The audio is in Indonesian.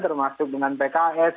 termasuk dengan pks